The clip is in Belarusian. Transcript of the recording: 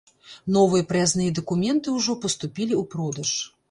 Новыя праязныя дакументы ўжо паступілі ў продаж.